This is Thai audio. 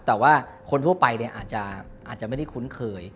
แต่ว่าคนทั่วไปอาจจะไม่ได้คุ้นเคย